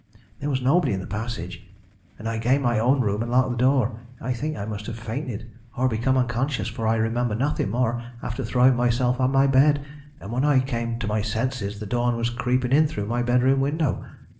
"There was nobody in the passage, and I gained my own room and locked the door. I think I must have fainted, or become unconscious, for I remember nothing more after throwing myself on my bed, and when I came to my senses the dawn was creeping in through my bedroom window.